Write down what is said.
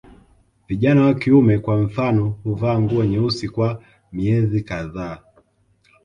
Vijana wa kiume kwa mfano huvaa nguo nyeusi kwa miezi kadhaa